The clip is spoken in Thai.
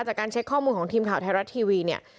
จากการเช็คข้อมูลของทีมข่าวไทยรัฐทีวีเนี่ย